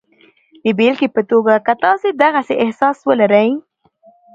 د بېلګې په توګه که تاسې د غسې احساس ولرئ